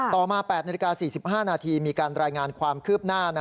ต่อมา๘นาฬิกา๔๕นาทีมีการรายงานความคืบหน้า